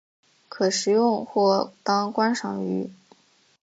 可食用或当观赏鱼。